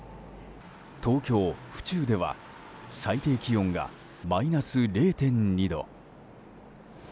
東京・府中では最低気温がマイナス０．２度。